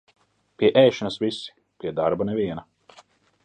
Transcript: Pie ēšanas visi, pie darba neviena.